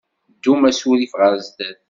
Ddum asurif ɣer sdat.